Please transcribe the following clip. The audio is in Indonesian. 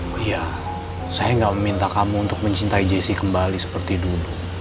oh iya saya gak meminta kamu untuk mencintai jesse kembali seperti dulu